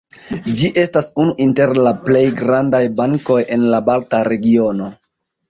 Ĝi estas unu inter la plej grandaj bankoj en la balta regiono.